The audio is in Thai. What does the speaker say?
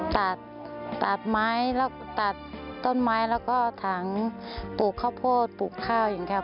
ตัดต้นไม้แล้วก็ถังปลูกข้าวโพดปลูกข้าวอย่างแค่ว่า